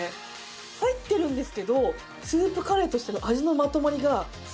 入ってるんですけどスープカレーとしての味のまとまりがすごくいいです。